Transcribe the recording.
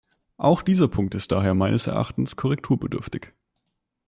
Auch dieser Punkt ist daher meines Erachtens korrekturbedürftig.